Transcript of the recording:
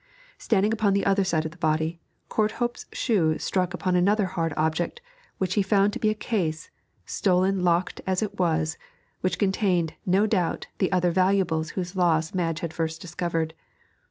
Standing upon the other side of the body, Courthope's shoe struck upon another hard object which he found to be a case, stolen locked as it was, which contained, no doubt, the other valuables whose loss Madge had first discovered.